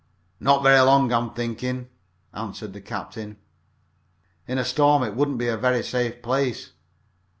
"Not very long, I'm thinking," answered the captain. "In a storm it wouldn't be a very safe place.